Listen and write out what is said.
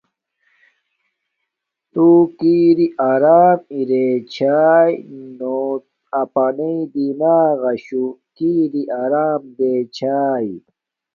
تو کی اری ارم ارے چھا نو اپانݵ دیماغ قاشو کی ری ارم دیں چھاݵ۔